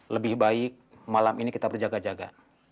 lebih baik malam ini kita berjaga jaga